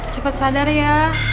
cepet sadar ya